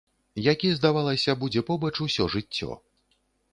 Які, здавалася, будзе побач усё жыццё.